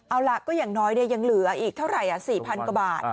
เอาล่ะก็อย่างน้อยยังเหลืออีกเท่าไหร่๔๐๐กว่าบาท